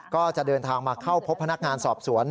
ก็จะเดินทางมาเข้าพบพนักงานสอบสวน